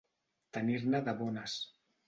Tenir-ne de bones.